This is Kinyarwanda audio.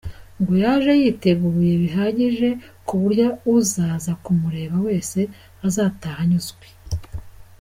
Ngo yaje yiteguye bihagije ku buryo uzaza kumureba wese azataha anyuzwe.